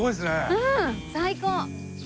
うん！最高。